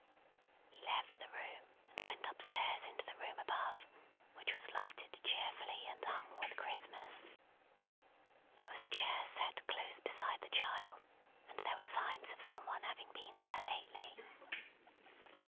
He left the room, and went up stairs into the room above, which was lighted cheerfully, and hung with Christmas. There was a chair set close beside the child, and there were signs of some one having been there, lately.